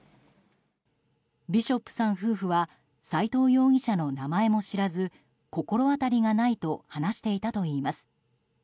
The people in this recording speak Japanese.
ビショップさん夫婦は斎藤容疑者の名前も知らず心当たりがないと話していたといいます。